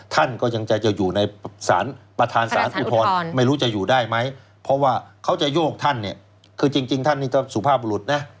ท่านก็ยังจะอยู่ในสารประธานสารอุทธรณ์ไม่รู้จะอยู่ได้ไหมเพราะว่าเขาจะโยกท่านเนี่ยคือจริงท่านนี่ก็สุภาพหลุดนะ